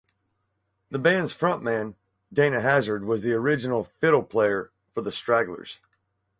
The band's front man, Dana Hazzard, was the original fiddle player for the Stragglers.